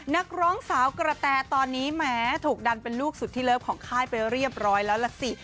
นักร้องสาวกระแตตอนนี้แม้ถูกดันเป็นลูกสุดที่เลิฟของค่ายไปเรียบร้อยแล้วล่ะสิ